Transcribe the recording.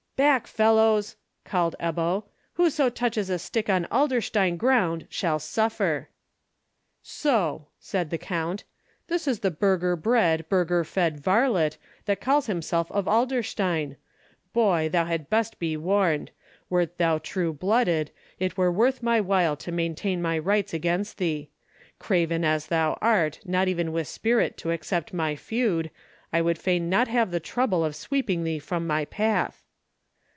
"Back, fellows!" called Ebbo. "Whoso touches a stick on Adlerstein ground shall suffer." "So!" said the count, "this is the burgher bred, burgher fed varlet, that calls himself of Adlerstein! Boy, thou had best be warned. Wert thou true blooded, it were worth my while to maintain my rights against thee. Craven as thou art, not even with spirit to accept my feud, I would fain not have the trouble of sweeping thee from my path."